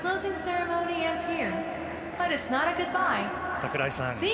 櫻井さん